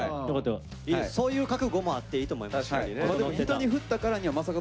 そういう覚悟もあっていいと思います。